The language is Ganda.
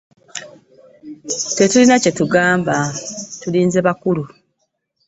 Tetulina kye tugamba tulinze bakulu.